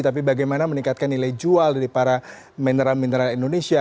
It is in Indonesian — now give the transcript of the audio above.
tapi bagaimana meningkatkan nilai jual dari para mineral mineral indonesia